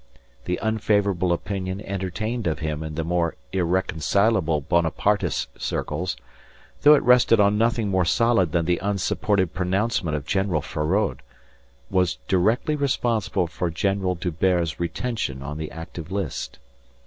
The unfavourable opinion entertained of him in the more irreconcilable Bonapartist circles, though it rested on nothing more solid than the unsupported pronouncement of General Feraud, was directly responsible for General D'Hubert's retention on the active list.